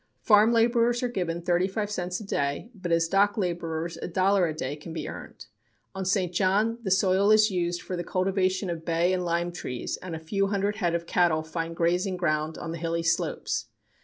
Farm laborers are given thirty five cents a day, but as dock laborers a dollar a day can be earned. On St. John the soil is used for the cultivation of bay and lime trees, and a few hundred head of cattle find grazing ground on the hilly slopes.